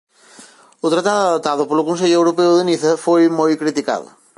O Tratado adoptado polo Consello Europeo de Niza foi moi criticado.